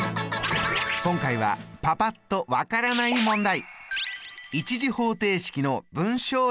今回はパパっと分からない問題。